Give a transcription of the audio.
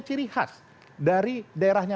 ciri khas dari daerahnya